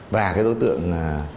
và cái đối tượng